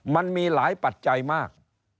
มันมีหลายปัจจัยมาก